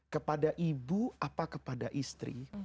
kepada ibu apa kepada istri